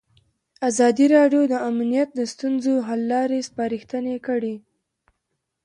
ازادي راډیو د امنیت د ستونزو حل لارې سپارښتنې کړي.